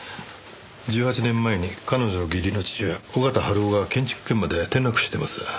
１８年前に彼女の義理の父親尾形治夫が建築現場で転落死してます。